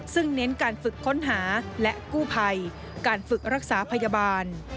ซึ่งเน้นการฝึกค้นหาและกู้ภัยการฝึกรักษาพยาบาล